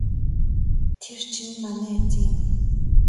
Тэр чинь манай эзэн юм.